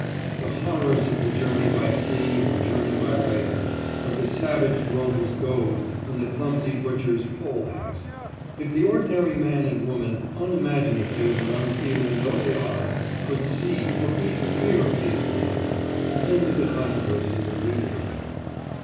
The horrors of the journey by sea and journey by rail, of the savage drover's goad and the clumsy butcher's pole axe—if the ordinary man and woman, unimaginative and unfeeling though they are, could see or even hear of these things, the end of the controversy would be nearer.